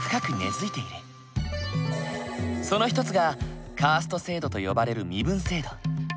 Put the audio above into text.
その一つがカースト制度と呼ばれる身分制度。